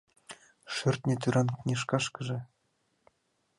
Шӧртньӧ тӱран книжкашыже